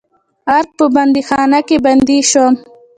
ارګ په بندیخانه کې بندي شوم.